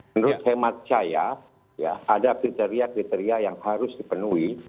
menurut hemat saya ada kriteria kriteria yang harus dipenuhi